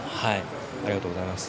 ありがとうございます。